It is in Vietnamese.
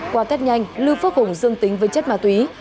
qua tết nhanh lưu phước hùng dương tính với chất ma túy